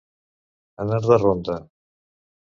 Anar de ronda.